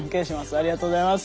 ありがとうございます。